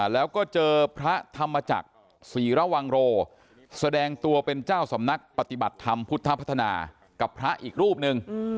แล้วก็เจอพระธรรมจักรศรีระวังโรแสดงตัวเป็นเจ้าสำนักปฏิบัติธรรมพุทธพัฒนากับพระอีกรูปหนึ่ง